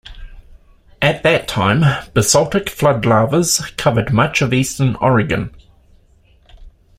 At that time basaltic flood lavas covered much of eastern Oregon.